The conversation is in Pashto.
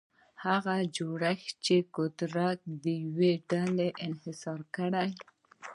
هغه جوړښت چې قدرت د یوې ډلې انحصار کړي.